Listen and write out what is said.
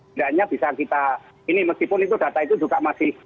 tidak hanya bisa kita ini meskipun itu data itu juga masih